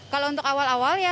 kalau untuk awal awal ya